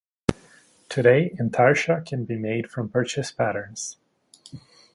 Today intarsia can be made from purchased patterns.